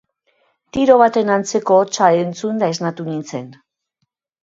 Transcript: Tiro baten antzeko hotsa entzunda esnatu nintzen.